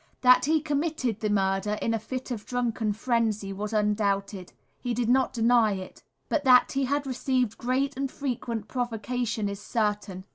That he committed the murder, in a fit of drunken frenzy, was undoubted he did not deny it; but that he had received great and frequent provocation is certain.